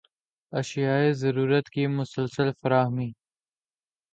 اشیائے ضرورت کی مسلسل فراہمی